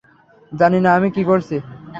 জানি না আমি কি করছি।